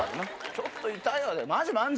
「ちょっと痛いわ」で。